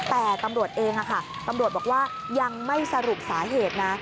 แต่ตำรวจเองตำรวจบอกว่ายังไม่สรุปสาเหตุนะ